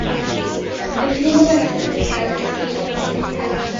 Doedd hi ddim yn blentyn oedd wedi cael ei dysgu i ofyn caniatâd.